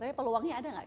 tapi peluangnya ada nggak